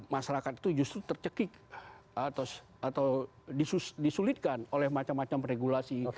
masyarakat itu justru tercekik atau disulitkan oleh macam macam regulasi